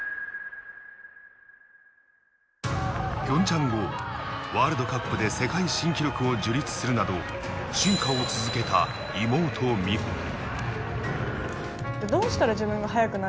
ピョンチャン後、ワールドカップで世界新記録を樹立するなど進化を続けた妹・美帆。